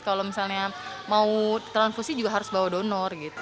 kalau misalnya mau transfusi juga harus bawa donor gitu